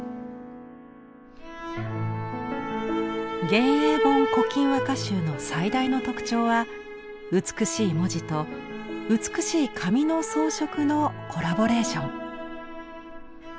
「元永本古今和歌集」の最大の特徴は美しい文字と美しい紙の装飾のコラボレーション。